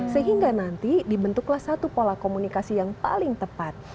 sehingga nanti dibentuklah satu pola komunikasi yang paling tepat